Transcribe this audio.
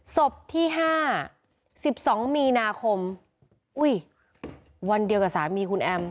ศพที่๕๑๒มีนาคมอุ้ยวันเดียวกับสามีคุณแอม